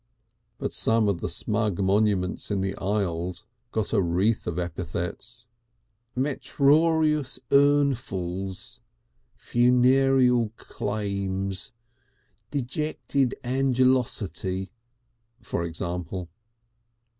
But some of the smug monuments in the aisles got a wreath of epithets: "Metrorious urnfuls," "funererial claims," "dejected angelosity," for example.